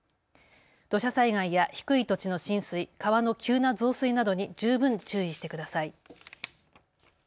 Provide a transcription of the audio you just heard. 土砂災害や低い土地の浸水川の急な増水などに十分注意してください。